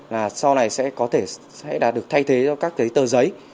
là sau này sẽ có thể sẽ được thay thế cho các cái tờ giấy